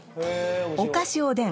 お菓子おでん